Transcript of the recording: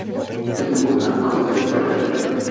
Technickou stránku kapely zajišťoval Petr Turek.